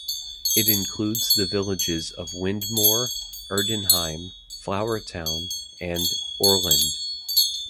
It includes the villages of Wyndmoor, Erdenheim, Flourtown, and Oreland.